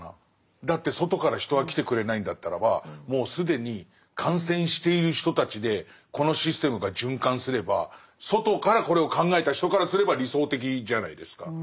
だって外から人は来てくれないんだったらばもう既に感染している人たちでこのシステムが循環すれば外からこれを考えた人からすれば理想的じゃないですか。